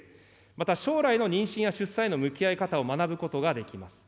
また将来の妊娠や出産への向き合い方を学ぶことができます。